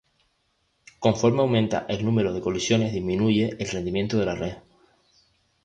Conforme aumenta el número de colisiones disminuye el rendimiento de la red.